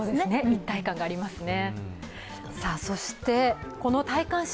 一体感がありますね。